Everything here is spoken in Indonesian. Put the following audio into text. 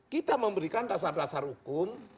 kita memberikan dasar dasar hukum